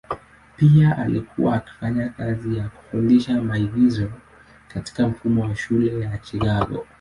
Pia alikuwa akifanya kazi ya kufundisha maigizo katika mfumo wa shule ya Chicago.